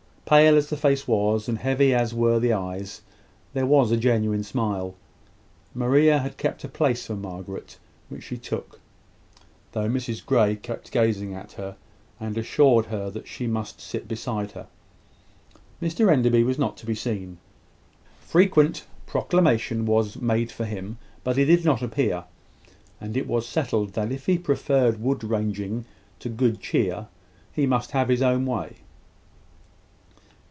Pale as the face was, and heavy as were the eyes, there was a genuine smile. Maria had kept a place for Margaret, which she took, though Mrs Grey kept gazing at her, and assured her that she must sit beside her. Mr Enderby was not to be seen. Frequent proclamation was made for him; but he did not appear; and it was settled that if he preferred wood ranging to good cheer, he must have his own way.